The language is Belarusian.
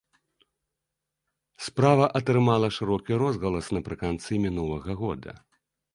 Справа атрымала шырокі розгалас напрыканцы мінулага года.